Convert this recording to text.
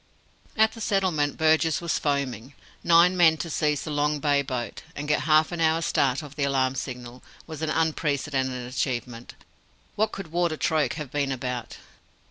At the settlement Burgess was foaming. Nine men to seize the Long Bay boat, and get half an hour's start of the alarm signal, was an unprecedented achievement! What could Warder Troke have been about!